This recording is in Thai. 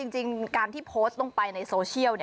จริงการที่โพสต์ลงไปในโซเชียล